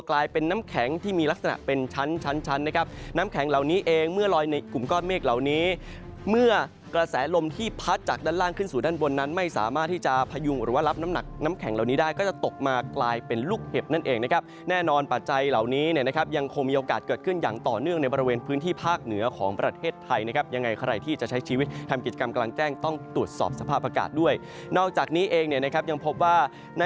ลักษณะเป็นชั้นนะครับน้ำแข็งเหล่านี้เองเมื่อลอยในกลุ่มก้อนเมฆเหล่านี้เมื่อกระแสลมที่พัดจากด้านล่างขึ้นสู่ด้านบนนั้นไม่สามารถที่จะพยุงหรือว่ารับน้ำหนักน้ำแข็งเหล่านี้ได้ก็จะตกมากลายเป็นลูกเห็บนั่นเองนะครับแน่นอนปัจจัยเหล่านี้นะครับยังคงมีโอกาสเกิดขึ้นอย่างต่อเนื่องในบริเวณ